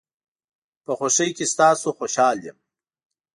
په خوشۍ کې ستاسو خوشحال یم.